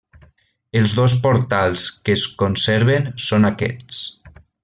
Els dos portals que es conserven són aquests.